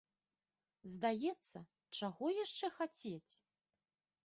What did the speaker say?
Здаецца, чаго яшчэ хацець?